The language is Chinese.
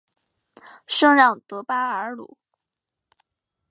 圣让德巴尔鲁。